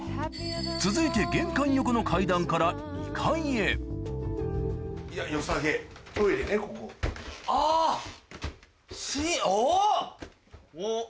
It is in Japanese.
続いて玄関横の階段からあっしおぉ！